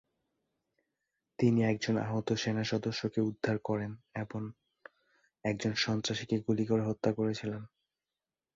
তিনি একজন আহত সেনা সদস্যকে উদ্ধার করেন এবং একজন সন্ত্রাসীকে গুলি করে হত্যা করেছিলেন।